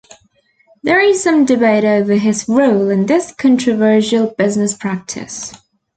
There is some debate over his role in this controversial business practice.